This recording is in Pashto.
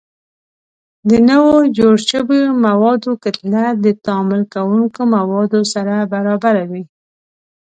د نوو جوړ شویو موادو کتله د تعامل کوونکو موادو سره برابره وي.